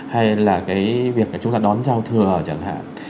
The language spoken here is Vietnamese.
hay là cái việc là chúng ta đón giao thừa chẳng hạn